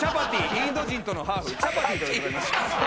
インド人とのハーフチャパティでございます。